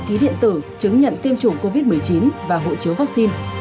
đảm bảo ký điện tử chứng nhận tiêm chủng covid một mươi chín và hộ chiếu vaccine